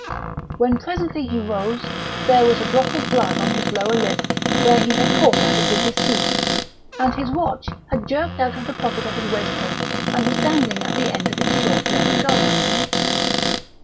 When presently he rose there was a drop of blood on his lower lip where he had caught at it with his teeth, and his watch had jerked out of the pocket of his waistcoat and was dangling at the end of its short leather guard....